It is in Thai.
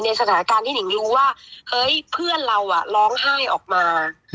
สถานการณ์ที่นิ่งรู้ว่าเฮ้ยเพื่อนเราร้องไห้ออกมา